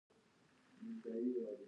د دغه ځای ځمکه ډېره خټینه او نرمه وه.